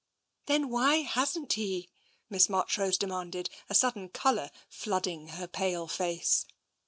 "Then why hasn't he? '' Miss Marchrose demanded, a sudden colour flooding her pale face.